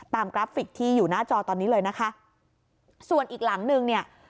กราฟิกที่อยู่หน้าจอตอนนี้เลยนะคะส่วนอีกหลังนึงเนี่ย